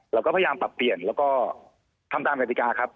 เราก็พยายามปรับเปลี่ยนแล้วก็ทำตามกฎิกาครับ